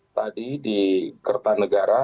tadi di kertanegara